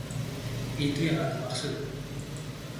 Itu yang aku maksud!